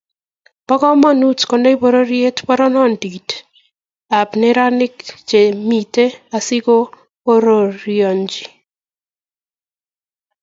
Bo komonut konai pororiet poroindap neranik chemitei asikoboriechi